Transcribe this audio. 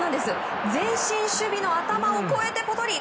前進守備の頭を越えてポトリ。